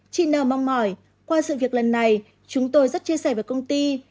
chị n t l mong mỏi qua sự việc lần này chúng tôi rất chia sẻ với công ty